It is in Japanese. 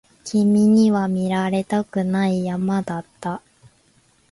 君には見られたくない山だった